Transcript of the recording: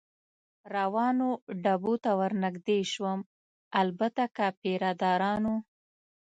روانو ډبو ته ور نږدې شوم، البته که پیره دارانو.